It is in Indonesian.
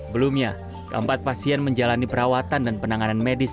belumnya keempat pasien menjalani perawatan dan penanganan medis